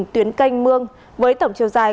tuyến canh mương với tổng chiều dài